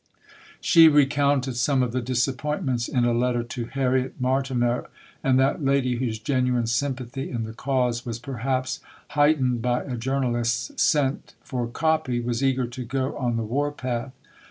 She recounted some of the disappointments in a letter to Harriet Martineau, and that lady, whose genuine sympathy in the cause was perhaps heightened by a journalist's scent for "copy," was eager to go on the war path.